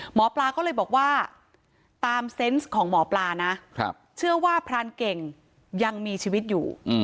หมอปลาก็เลยบอกว่าตามเซนต์ของหมอปลานะเชื่อว่าพรานเก่งยังมีชีวิตอยู่